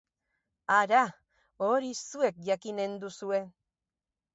Hara, hori zuek jakinen duzue.